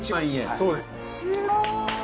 そうですね。